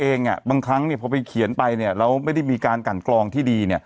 เองอ่ะบางครั้งเนี้ยพอไปเขียนไปเนี้ยแล้วไม่ได้มีการกันกรองที่ดีเนี้ย